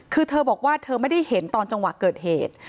คือเธอบอกว่าเธอไม่ได้เห็นตอนจังหวะเกิดเหตุ